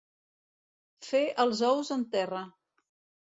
Fer els ous en terra.